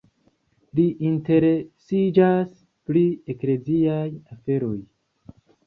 Li interesiĝas pri ekleziaj aferoj.